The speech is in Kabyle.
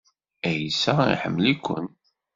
Ɛisa iḥemmel-iken.